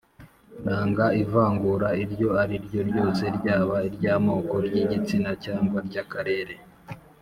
Nanga ivangura iryo ari ryo ryose ryaba iry’amoko ry’igitsina cyangwa ry’akarere